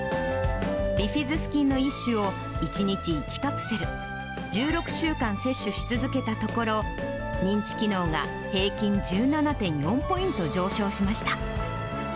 ビフィズス菌の一種を１日１カプセル、１６週間摂取し続けたところ、認知機能が平均１７．４ポイント上昇しました。